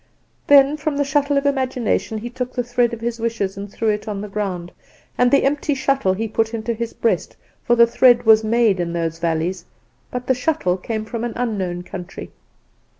"Then from the shuttle of imagination he took the thread of his wishes, and threw it on the ground; and the empty shuttle he put into his breast, for the thread was made in those valleys, but the shuttle came from an unknown country.